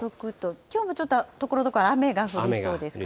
きょうもちょっとところどころ雨が降りそうですかね。